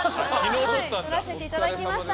撮らせていただきました。